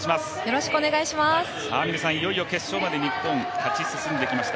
峰さん、いよいよ決勝まで日本、勝ち進んできました。